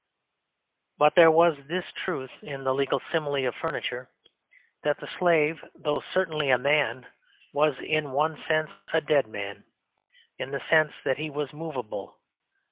But there was this truth in the legal simile of furniture: that the slave, though certainly a man, was in one sense a dead man; in the sense that he was moveable.